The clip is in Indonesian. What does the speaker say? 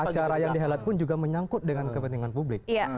acara yang dihelat pun juga menyangkut dengan kepentingan publik